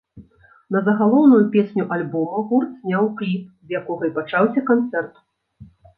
На загалоўную песню альбома гурт зняў кліп, з якога і пачаўся канцэрт.